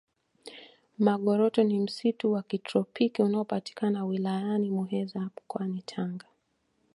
magoroto ni msitu wa kitropiki unapopatikana wilayani muheza mkoani tanga